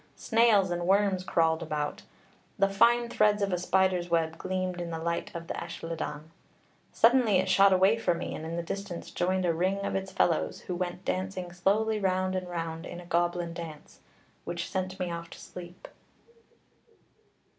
Snails and worms crawled about. The fine threads of a spider's web gleamed in the light of the Ellylldan. Suddenly it shot away from me, and in the distance joined a ring of its fellows, who went dancing slowly round and round in a goblin dance, which sent me off to sleep.'